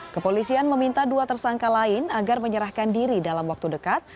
kepolisian meminta dua tersangka lain agar menyerahkan diri dalam waktu dekat